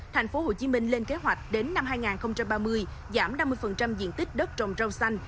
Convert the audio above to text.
thành phố hồ chí minh lên kế hoạch đến năm hai nghìn ba mươi giảm năm mươi diện tích đất trồng rau xanh